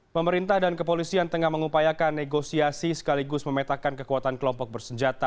pemerintah dan kepolisian tengah mengupayakan negosiasi sekaligus memetakan kekuatan kelompok bersenjata